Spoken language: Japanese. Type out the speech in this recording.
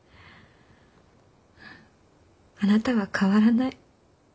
あなたは変わらない。